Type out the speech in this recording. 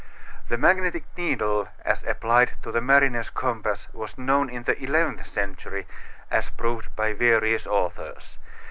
The magnetic needle as applied to the mariner's compass was known in the eleventh century, as proved by various authors.